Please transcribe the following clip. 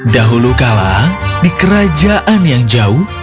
dahulu kala di kerajaan yang jauh